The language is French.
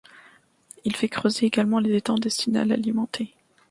Il fait creuser également les étangs destinés à l'alimenter.